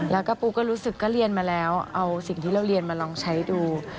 แล้วก็ปูก็รู้สึกก็เรียนมาแล้วเอาสิ่งที่เราเรียนมาลองใช้ดู